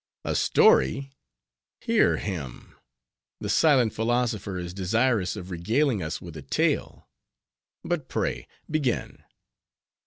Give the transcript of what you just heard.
"A story! hear him: the solemn philosopher is desirous of regaling us with a tale! But pray, begin."